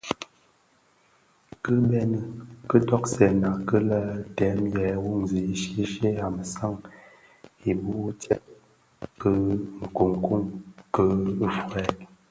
Ki bëni kidogsèna ki lè dèm yè wumzi shyeshye a mesaň ibu u tsèb ki nkun ki fuèi.